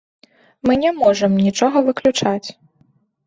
Мы не можам нічога выключаць.